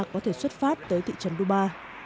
có thể xuất phát tới thị trấn douma